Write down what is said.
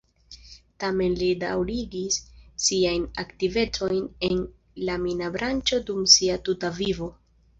Tamen li daŭrigis siajn aktivecojn en la mina branĉo dum sia tuta vivo.